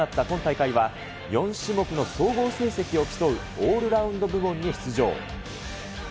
今大会は、４種目の総合成績を競うオールラウンド部門に出場。